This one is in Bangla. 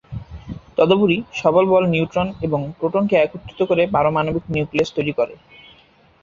তদুপরি, সবল বল নিউট্রন এবং প্রোটন কে একত্রিত করে পারমাণবিক নিউক্লিয়াস তৈরি করে।